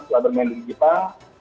setelah bermain di jepang